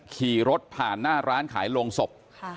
ขี่รถผ่านหน้าร้านขายโรงศพ